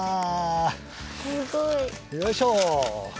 すごい。よいしょ。